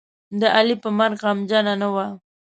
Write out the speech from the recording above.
د علي په مرګ غمجنـه نه وه.